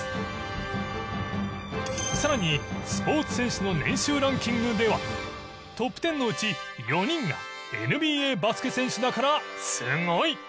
更にスポーツ選手の年収ランキングではトップ１０のうち４人がＮＢＡバスケ選手だからすごい！